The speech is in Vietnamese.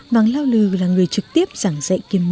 vàng lao lư là người trực tiếp giảng dạy kiềm nhiệm